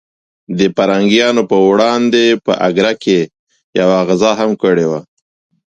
د پرنګیانو پر وړاندې په اګره کې یوه غزا هم کړې وه.